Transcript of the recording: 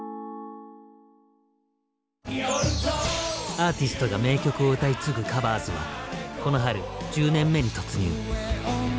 アーティストが名曲を歌い継ぐ「カバーズ」はこの春１０年目に突入！